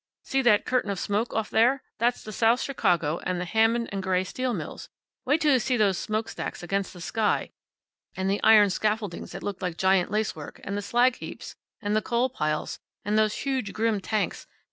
"See that curtain of smoke off there? That's the South Chicago, and the Hammond and Gary steel mills. Wait till you see those smokestacks against the sky, and the iron scaffoldings that look like giant lacework, and the slag heaps, and the coal piles, and those huge, grim tanks.